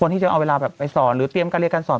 ที่จะเอาเวลาแบบไปสอนหรือเตรียมการเรียนการสอน